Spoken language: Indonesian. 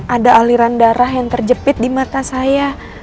ada aliran darah yang terjepit di mata saya